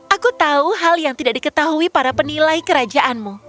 aku tahu hal yang tidak diketahui para penilai kerajaanmu